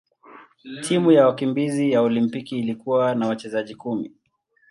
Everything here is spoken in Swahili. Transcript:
Timu ya wakimbizi ya Olimpiki ilikuwa na wachezaji kumi.